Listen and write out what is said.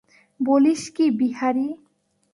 বলিস কী বিহারী।